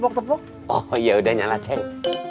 oh ya udah nyala cek